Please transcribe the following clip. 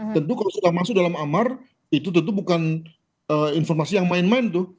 tentu kalau sudah masuk dalam amar itu tentu bukan informasi yang main main tuh